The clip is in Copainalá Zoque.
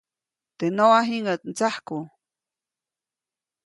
Teʼ noʼa jiŋäʼt ndsajku.